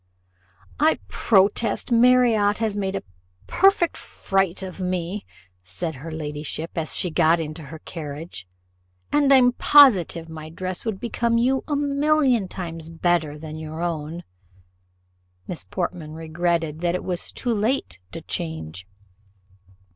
"I protest Marriott has made a perfect fright of me," said her ladyship, as she got into her carriage, "and I'm positive my dress would become you a million of times better than your own." Miss Portman regretted that it was too late to change.